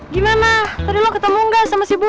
gimana lo ketemu enggak sama si bu